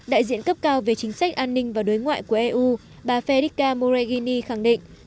đại diện cấp cao về chính sách an ninh và đối ngoại của eu bà federica moreghini khẳng định